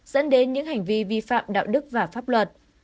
dẫn đến những hành vi vi phạm đạo đức và pháp luật